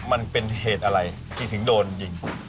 มันเป็นเหตุอะไรที่ถึงโดนยิง